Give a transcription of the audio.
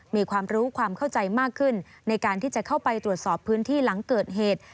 มีความรู้ความเข้าใจมากขึ้นในการที่จะเข้าไปตรวจสอบพื้นที่หลังเกิดเหตุ